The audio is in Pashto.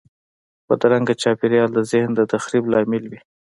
بدرنګه چاپېریال د ذهن د تخریب لامل وي